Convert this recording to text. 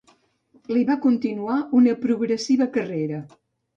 Li va continuar una progressiva carrera.